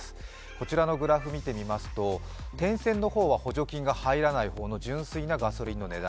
こちらのグラフ見てみますと点線の方は補助金が入らない方の純粋なガソリンの値段。